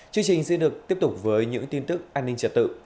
chương trình sẽ được tiếp tục với những tin tức an ninh trật tự